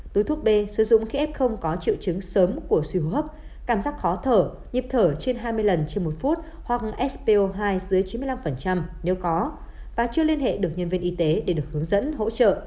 túi thuốc b sử dụng khi f có triệu chứng sớm của suy hô hấp cảm giác khó thở nhịp thở trên hai mươi lần trên một phút hoặc spo hai dưới chín mươi năm nếu có và chưa liên hệ được nhân viên y tế để được hướng dẫn hỗ trợ